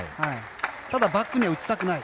ただ、バックに打ちたくない。